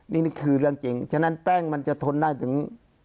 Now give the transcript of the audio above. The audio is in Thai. นี่คือเรื่องจริงฉะนั้นแป้งมันจะทนได้ถึง